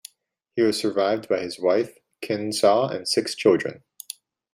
He was survived by his wife Khin Saw and six children.